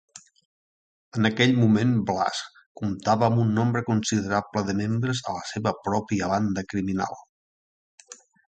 En aquell moment, Blass comptava amb un nombre considerable de membres a la seva pròpia banda criminal.